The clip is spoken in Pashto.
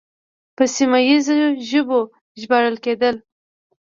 په سیمه ییزو ژبو ژباړل کېدل